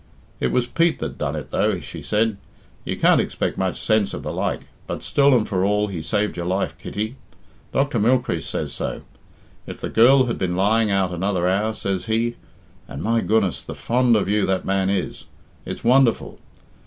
"It was Pete that done it, though," she said. "You can't expect much sense of the like, but still and for all he saved your life, Kitty. Dr. Mylechreest says so. 'If the girl had been lying out another hour,' says he And, my goodness, the fond of you that man is; it's wonderful!